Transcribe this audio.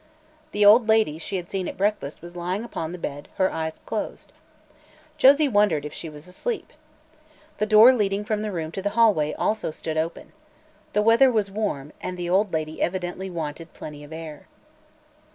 The old lady she had seen at breakfast was lying upon the bed, her eyes closed. Josie wondered if she was asleep. The door leading from the room to the hallway also stood open. The weather was warm, and the old lady evidently wanted plenty of air.